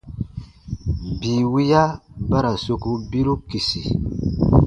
Bii wiya ba ra soku biru kisi.